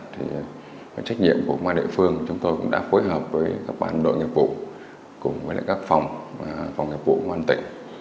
thì trách nhiệm của công an địa phương chúng tôi cũng đã phối hợp với các bản đội nghiệp vụ cùng với các phòng nghiệp vụ hoàn tỉnh